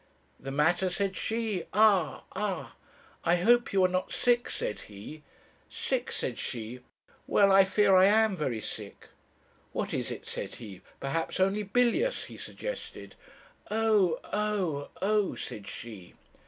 "'The matter!' said she. 'Ah! ah!' "'I hope you are not sick?' said he. "'Sick!' said she. 'Well, I fear I am very sick.' "'What is it?' said he. 'Perhaps only bilious,' he suggested. "'Oh! oh! oh!' said she.